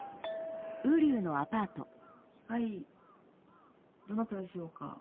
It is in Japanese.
はいどなたでしょうか。